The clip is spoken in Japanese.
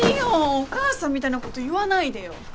お母さんみたいなこと言わないでよ